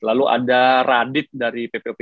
lalu ada radit dari ppp